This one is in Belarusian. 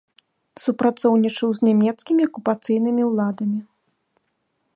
Супрацоўнічаў з нямецкімі акупацыйнымі ўладамі.